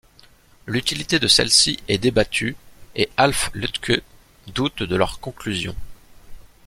L’utilité de celle-ci est débattue, et Alf Lüdtke doute de leurs conclusions.